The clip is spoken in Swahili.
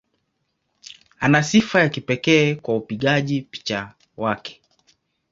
Ana sifa ya kipekee kwa upigaji picha wake.